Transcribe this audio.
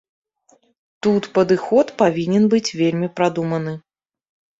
Тут падыход павінен быць вельмі прадуманы.